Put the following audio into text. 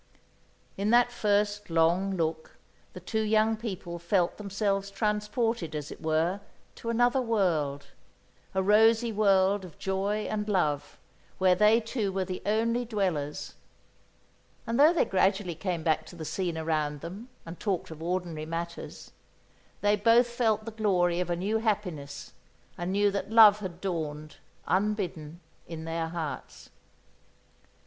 In that first long look the two young people felt themselves transported, as it were, to another world a rosy world of joy and love, where they two were the only dwellers; and though they gradually came back to the scene around them and talked of ordinary matters, they both felt the glory of a new happiness and knew that love had dawned, unbidden, in their hearts.